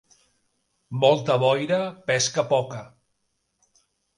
Molta boira, pesca poca.